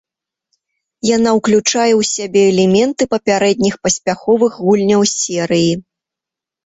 Яна ўключае ў сябе элементы папярэдніх паспяховых гульняў серыі.